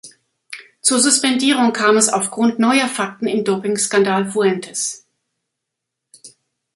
Zur Suspendierung kam es aufgrund neuer Fakten im Dopingskandal Fuentes.